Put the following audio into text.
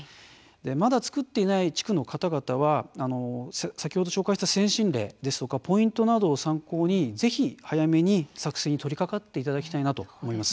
まだ作っていない地区の方々は先ほど紹介した先進例ですとかポイントなどを参考にぜひ早めに作成に取りかかっていただきたいなと思います。